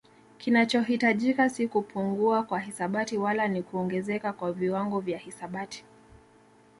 Kinachohitajika si kupungua kwa hisabati wala ni kuongezeka kwa viwango vya hisabati